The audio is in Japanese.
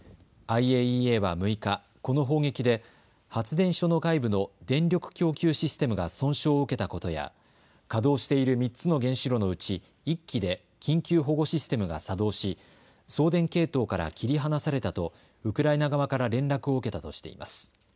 ＩＡＥＡは６日、この砲撃で発電所の外部の電力供給システムが損傷を受けたことや稼働している３つの原子炉のうち１基で緊急保護システムが作動し送電系統から切り離されたとウクライナ側から連絡を受けたとしています。